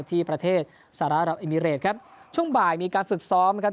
ที่ประเทศสหรัฐเอมิเรตครับช่วงบ่ายมีการฝึกซ้อมครับ